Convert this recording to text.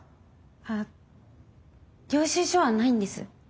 あっ領収書はないんです。